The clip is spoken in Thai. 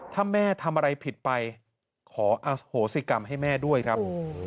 ถ้าแม่ทำอะไรผิดไปขออโหสิกรรมให้แม่ด้วยครับ